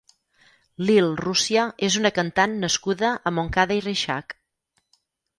Lil Russia és una cantant nascuda a Montcada i Reixac.